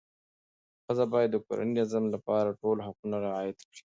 ښځه باید د کورني نظم لپاره ټول حقوق رعایت کړي.